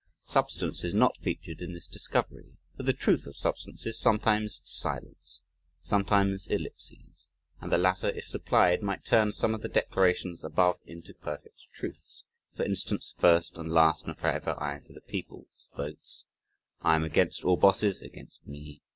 "Substance" is not featured in this discovery. For the truth of substance is sometimes silence, sometimes ellipses, and the latter if supplied might turn some of the declarations above into perfect truths, for instance "first and last and forever I am for the people ('s votes). I'm against all bosses (against me).